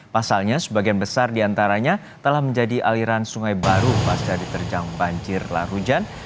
pasalnya sebagian besar di antaranya telah menjadi aliran sungai baru pas dari terjang banjir lahar hujan